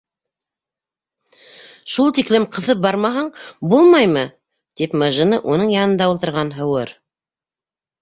—Шул тиклем ҡыҫып бармаһаң булмаймы? —тип мыжыны уның янында ултырған Һыуыр.